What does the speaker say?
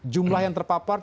jumlah yang terpapar